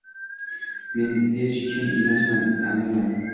Men hech kim emasman – Amirman